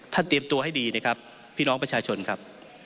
เตรียมตัวให้ดีนะครับพี่น้องประชาชนครับ